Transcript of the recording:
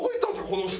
この人。